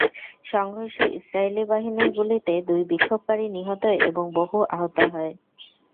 সংঘর্ষে ইসরায়েলি বাহিনীর গুলিতে দুই বিক্ষোভকারী নিহত এবং বহু আহত হয়।